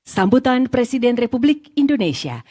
sambutan presiden republik indonesia